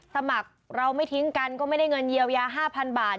สมัครเราไม่ทิ้งกันก็ไม่ได้เงินเยียวยา๕๐๐บาท